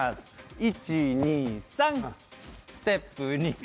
１、２、３ステップ２回。